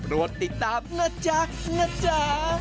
วดติดตามนะจ๊ะนะจ๊ะ